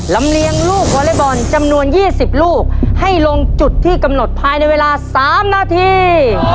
เลี้ยงลูกวอเล็กบอลจำนวน๒๐ลูกให้ลงจุดที่กำหนดภายในเวลา๓นาที